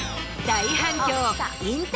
大反響。